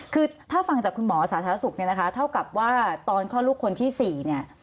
คือถ้าฟังจากคุณหมอสาธารณสุขเนี่ยนะคะเท่ากับว่าตอนคลอดลูกคนที่๔เนี่ย